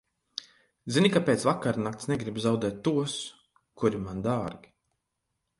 Zini, ka pēc vakarnakts negribu zaudēt tos, kuri man dārgi.